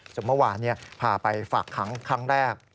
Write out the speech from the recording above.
เมื่อวานพาไปฝากขังครั้งแรก